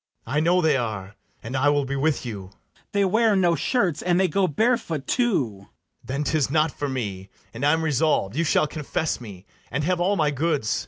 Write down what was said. I know they are; and I will be with you. FRIAR BARNARDINE. They wear no shirts, and they go bare foot too. BARABAS. Then 'tis not for me; and I am resolv'd You shall confess me, and have all my goods. FRIAR JACOMO.